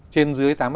trên dưới tám mươi